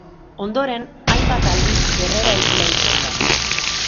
Ondoren hainbat aldiz berreraikia izan da.